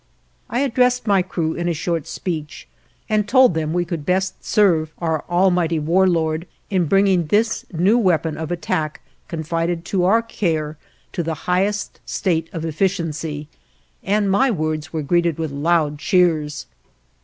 I addressed my crew in a short speech, and told them we could best serve our Almighty War Lord in bringing this new weapon of attack, confided to our care, to the highest state of efficiency, and my words were greeted with loud cheers.